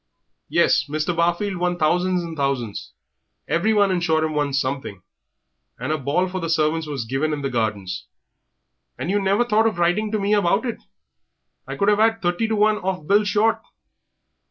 "Yes, Mr. Barfield won thousands and thousands, everyone in Shoreham won something, and a ball for the servants was given in the Gardens." "And you never thought of writing to me about it! I could have 'ad thirty to one off Bill Short.